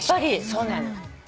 そうなのよ。